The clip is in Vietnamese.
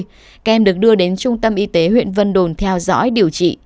các em được đưa đến trung tâm y tế huyện vân đồn theo dõi điều trị